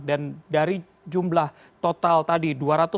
dan dari jumlah total tadi